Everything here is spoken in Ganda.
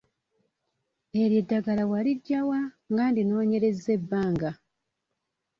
Eryo eddagala waliggya wa nga ndinoonyerezza ebbanga?